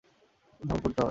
যখন করতে হবে।